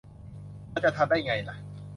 มันจะทันได้ไงล่ะ